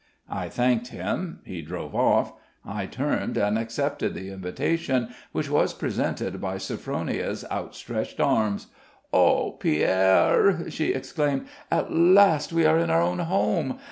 I thanked him; he drove off; I turned and accepted the invitation which was presented by Sophronia's outstretched arms. "Oh, Pierre!" she exclaimed; "at last we are in our own home!